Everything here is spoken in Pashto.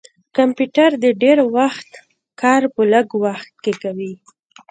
کمپیوټر د ډير وخت کار په لږ وخت کښې کوي